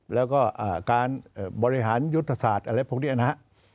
แล้วก็การบริหารยุทธศาสตร์อะไรพวกนี้นะครับ